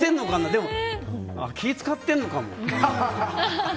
でも気を使ってるのかも。